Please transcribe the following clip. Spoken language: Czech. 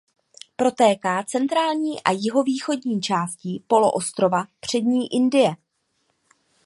Protéká centrální a jihovýchodní částí poloostrova Přední Indie.